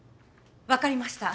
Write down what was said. わかりました。